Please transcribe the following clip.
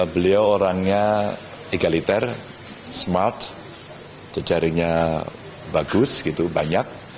beliau orangnya egaliter smart jejaringnya bagus gitu banyak